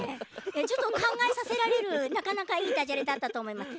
ちょっとかんがえさせられるなかなかいいダジャレだったとおもいます。